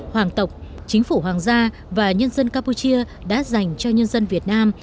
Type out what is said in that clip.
hoàng tộc chính phủ hoàng gia và nhân dân campuchia đã dành cho nhân dân việt nam